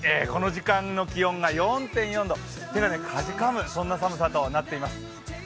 この時間の気温が４．４度手がかじかむ寒さとなっています。